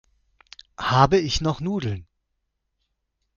Habe ich noch Nudeln?